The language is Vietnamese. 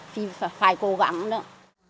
thì phải cố gắng nữa